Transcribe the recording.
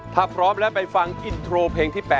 ถ้าพร้อมแล้วไปฟังอินโทรเพลงที่๘